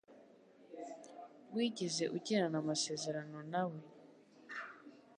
Wigeze ugirana amasezerano na we?